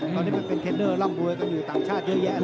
ตอนนี้มันเป็นเทรนเนอร์ร่ำรวยกันอยู่ต่างชาติเยอะแยะเลย